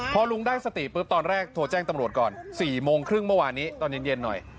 พอลุงได้สติปุ๊บตอนแรกโทรแจ้งตำรวจก่อน๔โมงครึ่งเมื่อวานนี้ตอนเย็นหน่อย